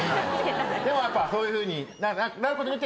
でもやっぱそういうふうになることによって。